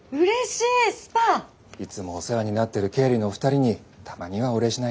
いつもお世話になってる経理のお二人にたまにはお礼しないと。